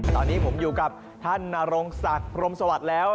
ตอนนี้ผมอยู่กับท่านนรงศักดิ์พรมสวัสดิ์แล้ว